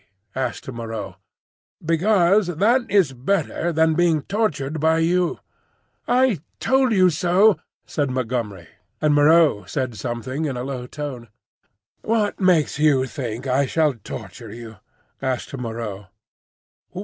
asked Moreau. "Because that is better than being tortured by you." "I told you so," said Montgomery, and Moreau said something in a low tone. "What makes you think I shall torture you?" asked Moreau.